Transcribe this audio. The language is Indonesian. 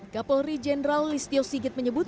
kapolri jenderal listio sigit menyebut